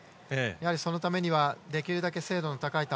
そのためにはできるだけ精度の高い球。